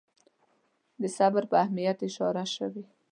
د صبر پر اهمیت اشاره شوې.